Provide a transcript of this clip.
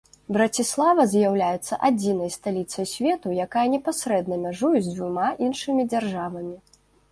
Браціслава з'яўляецца адзінай сталіцай свету, якая непасрэдна мяжуе з дзвюма іншымі дзяржавамі.